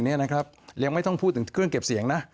ยังไม่ต้องพูดถึงเครื่องเก็บเสียงนะ